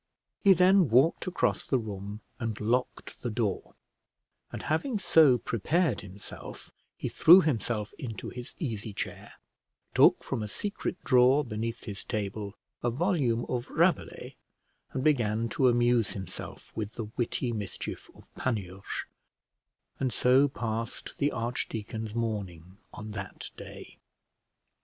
He then walked across the room and locked the door; and having so prepared himself, he threw himself into his easy chair, took from a secret drawer beneath his table a volume of Rabelais, and began to amuse himself with the witty mischief of Panurge; and so passed the archdeacon's morning on that day.